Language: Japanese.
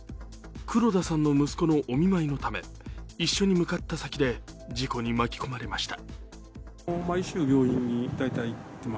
黒田さんの息子のお見舞いのため一緒に向かった先で事故に巻き込まれました。